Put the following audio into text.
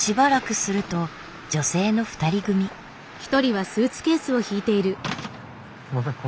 すみません。